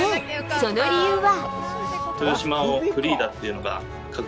その理由は。